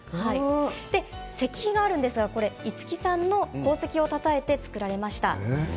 石碑があるんですが五木さんの功績をたたえて作られました。